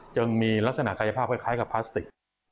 ยังมีลักษณะกายภาพคล้ายกับพลาสติก